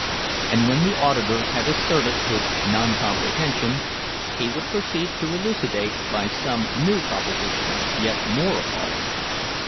And when the auditor had asserted his non comprehension, he would proceed to elucidate by some new proposition, yet more appalling.